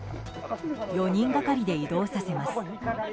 ４人がかりで移動させます。